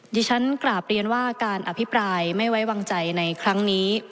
ที่ฉันกราบเรียนว่าการอภิปรายไม่ไว้วางใจในครั้งนี้